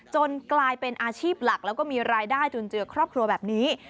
กลายเป็นอาชีพหลักแล้วก็มีรายได้จุนเจือครอบครัวแบบนี้